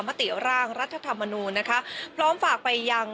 มติร่างรัฐธรรมนูญนะคะพร้อมฝากไปยัง